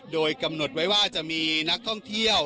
โดยกำหนดไว้ว่าจะมีนักท่องเที่ยว